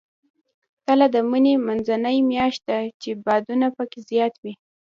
تله د مني منځنۍ میاشت ده، چې بادونه پکې زیات وي.